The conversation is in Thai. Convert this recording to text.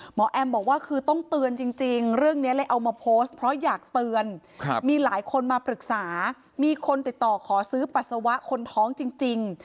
แอมบอกว่าคือต้องเตือนจริงเรื่องนี้เลยเอามาโพสต์เพราะอยากเตือนมีหลายคนมาปรึกษามีคนติดต่อขอซื้อปัสสาวะคนท้องจริง